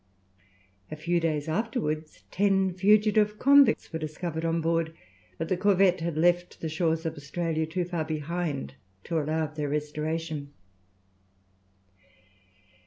A few days afterwards ten fugitive convicts were discovered on board; but the corvette had left the shores of Australia too far behind to allow of their restoration.